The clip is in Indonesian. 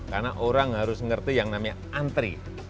karena orang harus ngerti yang namanya antri